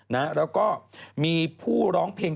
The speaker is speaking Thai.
แล้วก็มีผู้ร้องเพลง